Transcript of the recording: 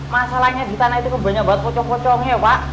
masalahnya di tanah itu banyak banget kocok kocoknya pak